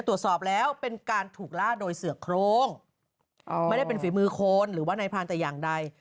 ตรวจสอบแล้วเป็นการถูกล่าโดยเสือกโครงไม่ได้เป็นฝีมือคนหรือว่านายพรานแต่อย่างใด